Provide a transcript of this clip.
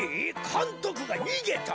かんとくがにげた？